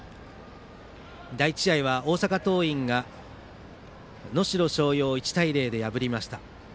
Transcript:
第１試合は大阪桐蔭が能代松陽を１対０で破りました。